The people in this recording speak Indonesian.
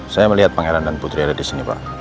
saya melihat pangeran dan putri ada di sini pak